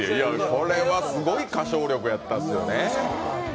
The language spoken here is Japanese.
これはすごい歌唱力やったですよね。